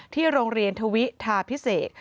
ที่โรงเรียนทวิทาพิเศษ